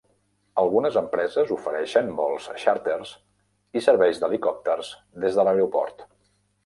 Algunes empreses ofereixen vols xàrters i serveis d'helicòpters des de l'aeroport.